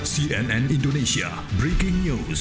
cnn indonesia breaking news